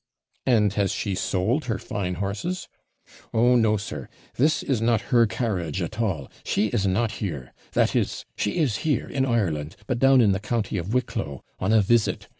'And has she sold her fine horses?' 'Oh no, sir this is not her carriage at all she is not here. That is, she is here, in Ireland; but down in the county of Wicklow, on a visit.